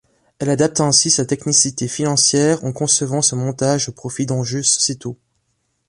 Elle adapte ainsi sa technicité financière en concevant ce montage au profit d’enjeux sociétaux.